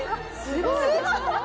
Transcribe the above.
すごい！